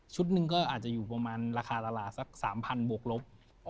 หนึ่งก็อาจจะอยู่ประมาณราคาละลาสัก๓๐๐บวกลบ